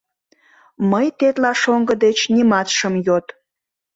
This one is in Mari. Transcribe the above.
...Мый тетла шоҥго деч нимат шым йод.